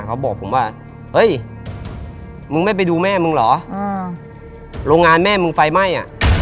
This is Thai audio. เขาบอกผมว่าเฮ้ยมึงไม่ไปดูแม่มึงเหรอโรงงานแม่มึงไฟไหม้อ่ะ